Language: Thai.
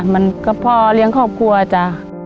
มันก็พ่อเลี้ยงครอบครัวจ้ะ